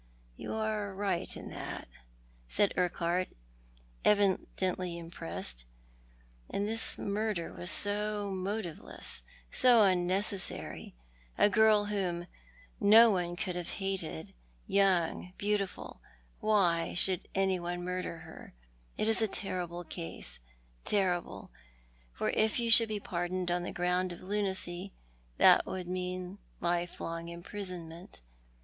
You are right in that," said Urquhart, evidently impressed, "and this murder was so motiveless, so unnecessary ; a girl whom no one could have hated — young, beautiful. Why should anyone murder her? It is a terrible case — terrible, for if you should be pardoned on the ground of lunacy, that would mean a lifelong imprisonment.